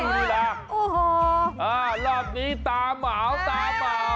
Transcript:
คุณเคยเหมาไหมคุณเคยเหมาไหม